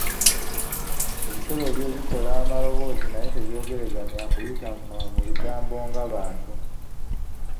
Ebisolo byo bikola maloboozi naye tebyogeraganya kuyita mu bigambo nga muntu